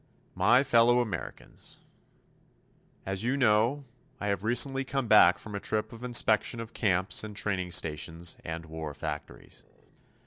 My Fellow Americans: As you know, I have recently come back from a trip of inspection of camps and training stations and war factories.